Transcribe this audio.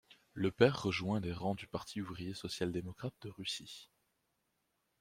Le père rejoint les rangs du Parti ouvrier social-démocrate de Russie.